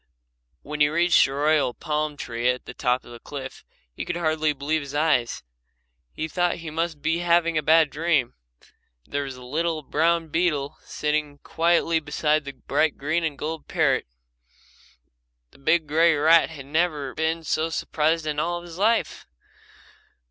When he reached the royal palm tree at the top of the cliff he could hardly believe his eyes. He thought he must be having a bad dream. There was the little brown beetle sitting quietly beside the bright green and gold parrot. The big grey rat had never been so surprised in all his life.